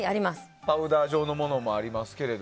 パウダー状のものもありますけど。